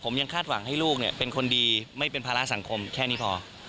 ผมยังคาดหวังให้ลูกเนี่ยเป็นคนดีไม่เป็นภาระสังคมแค่นี้พอ